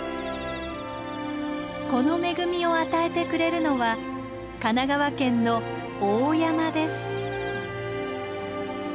この恵みを与えてくれるのは神奈川県の大山です。